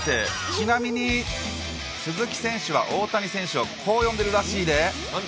ちなみに、鈴木選手は大谷選手をこう呼んでるらしいで。